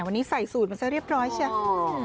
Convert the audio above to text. วันนี้ใส่สูตรมันซะเรียบร้อยใช่ไหม